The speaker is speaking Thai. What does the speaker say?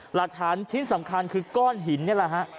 หลักฐานชิ้นสำคัญคือก้อนหินนี่แหละฮะ